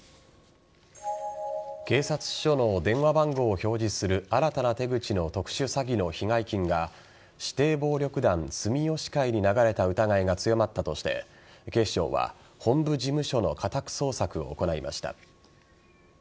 警察署の電話番号を表示する新たな手口の特殊詐欺の被害金が指定暴力団・住吉会に流れた疑いが強まったとして警視庁は本部事務所の家宅捜索を行いました。